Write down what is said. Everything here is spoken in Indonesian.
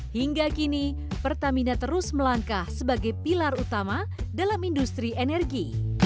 hingga kini pertamina terus melangkah sebagai pilar utama dalam industri energi